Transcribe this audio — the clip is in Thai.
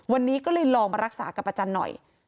วันนี้ก็เลยลองมารักษากับอาจารย์หน่อย